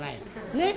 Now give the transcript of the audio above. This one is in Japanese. ねっ。